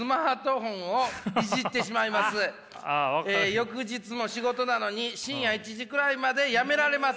「翌日も仕事なのに深夜１時くらいまでやめられません。